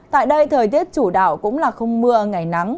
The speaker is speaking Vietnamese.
tại đây thời tiết chủ đạo cũng là không mưa ngày nắng